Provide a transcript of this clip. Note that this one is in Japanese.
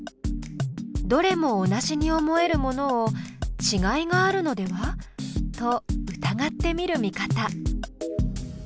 どれも同じに思えるものを「ちがいがあるのでは？」と疑ってみる見方。